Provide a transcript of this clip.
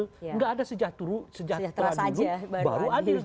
tidak ada sejahtera dulu baru adil